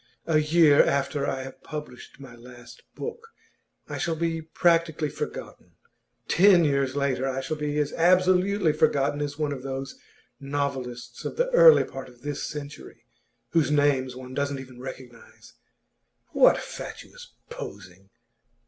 A year after I have published my last book, I shall be practically forgotten; ten years later, I shall be as absolutely forgotten as one of those novelists of the early part of this century, whose names one doesn't even recognise. What fatuous posing!